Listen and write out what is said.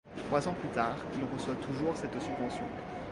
Trois ans plus tard, il reçoit toujours cette subvention.